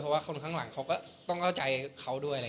เพราะว่าคนข้างหลังเขาก็ต้องเข้าใจเขาด้วย